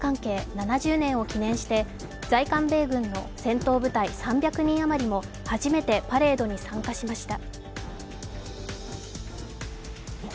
７０年を記念して在韓米軍の戦闘部隊３００人余りも初めてパレードに参加しました。